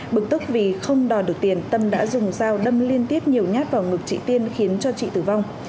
bực tức vì không đòi được tiền tâm đã dùng dao đâm liên tiếp nhiều nhát vào ngực chị tiên khiến cho chị tử vong